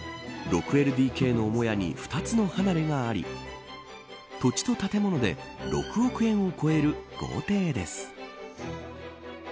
６ＬＤＫの母屋に２つの離れがあり土地と建物で６億円を超える豪邸です。